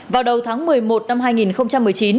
vào đầu tháng một mươi một năm hai nghìn một mươi chín